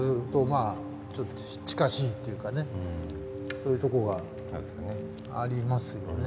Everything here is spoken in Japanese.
そういうところがありますよね。